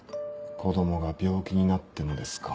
子供が病気になってもですか。